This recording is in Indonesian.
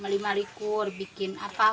lima likur bikin apa